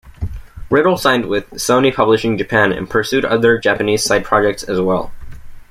Ridel signed with Sony Publishing Japan and pursued other Japanese side projects as well.